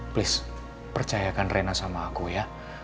please percayakan rena sama aku ya